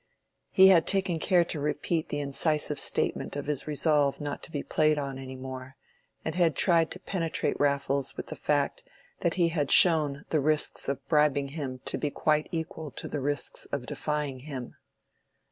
He had taken care to repeat the incisive statement of his resolve not to be played on any more; and had tried to penetrate Raffles with the fact that he had shown the risks of bribing him to be quite equal to the risks of defying him.